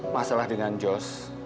masalah dengan jos